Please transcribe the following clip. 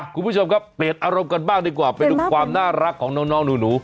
อ่ะคุณผู้ชมครับเปรตอารมณ์กันบ้างดีกว่าเป็นทุกความน่ารักของน้องหนู